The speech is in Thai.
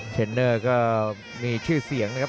เทรนเนอร์ก็มีชื่อเสียงนะครับ